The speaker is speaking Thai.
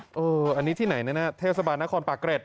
อันนี้ที่ไหนนะนะเทศบาลนครปากเกร็ด